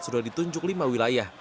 sudah ditunjuk lima wilayah